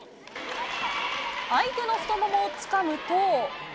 相手の太ももをつかむと。